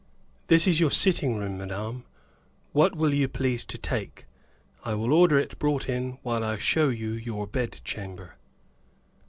"This is your sitting room, madame. What will you please to take? I will order it brought in while I show you your bed chamber."